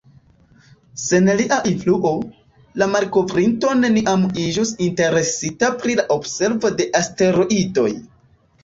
Sen lia influo, la malkovrinto neniam iĝus interesita pri la observo de asteroidoj.